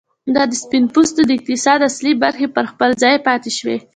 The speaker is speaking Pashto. د سپین پوستو د اقتصاد اصلي برخې پر خپل ځای پاتې شوې.